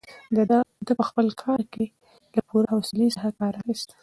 ده په خپل کار کې له پوره حوصلې څخه کار اخیست.